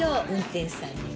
運転手さんにも。